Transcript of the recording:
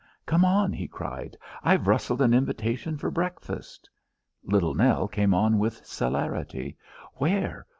"Come on," he cried; "I've rustled an invitation for breakfast." Little Nell came on with celerity. "Where?